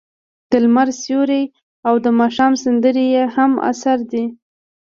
د لمر سیوری او د ماښام سندرې یې هم اثار دي.